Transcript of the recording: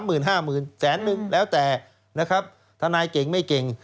๓หมื่น๕หมื่นแสนนึงแล้วแต่ทนายเก่งไม่เก่ง